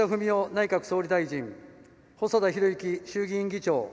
内閣総理大臣細田博之衆議院議長